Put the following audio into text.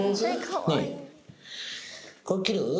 これ切る？